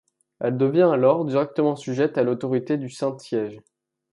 Elle devient alors directement sujette à l'autorité du Saint-Siège.